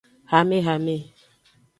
Hamehame.